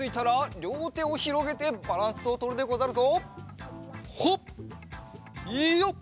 りょうてをひろげてバランスをとるでござるぞ。